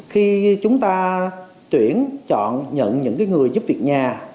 khi chúng ta tuyển chọn nhận những người giúp việc nhà